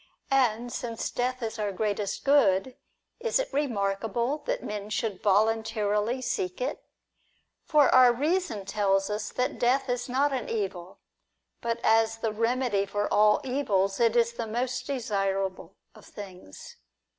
And since death is our greatest good, is it remarkable that men should voluntarily seek it ? For our reason tells us that death is not an evil, but, as the remedy for all evils, is the most desirable of things.